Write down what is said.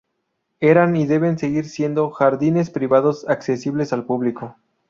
Eran y deben seguir siendo "jardines privados accesibles al público".